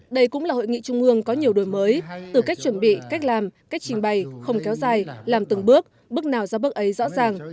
đây cũng là hội nghị trung ương có nhiều đổi mới từ cách chuẩn bị cách làm cách trình bày không kéo dài làm từng bước bước nào ra bước ấy rõ ràng